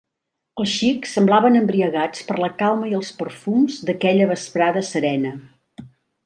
Els xics semblaven embriagats per la calma i els perfums d'aquella vesprada serena.